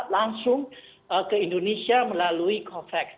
langsung ke indonesia melalui covax